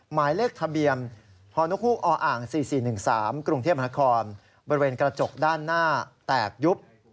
หมายเลขทะเบียนพนกออ่าง๔๔๑๓กรุงเทพมนาคมบริเวณกระจกด้านหน้าแตกยุบ